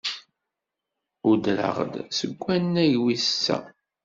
Udreɣ-d seg wannag wis sa.